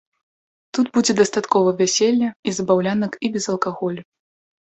Тут будзе дастаткова вяселля і забаўлянак і без алкаголю.